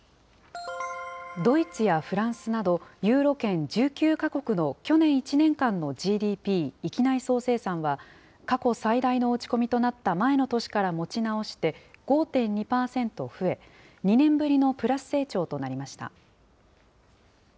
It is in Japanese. ドイツやフランスなど、ユーロ圏１９か国の去年１年間のＧＤＰ・域内総生産は、過去最大の落ち込みとなった前の年から持ち直して、５．２％増え、２年ぶりのプラス成長となりました。